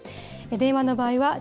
電話の場合は＃